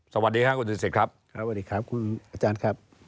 สวัสดีค่ะคุณดูสิครับสวัสดีครับคุณอาจารย์ครับ